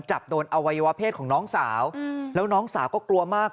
จับโดนอวัยวะเพศของน้องสาวแล้วน้องสาวก็กลัวมาก